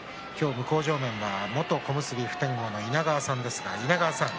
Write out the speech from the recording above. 向正面は元小結普天王の稲川さんです。